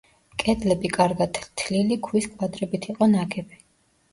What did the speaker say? კედლები კარგად თლილი ქვის კვადრებით იყო ნაგები.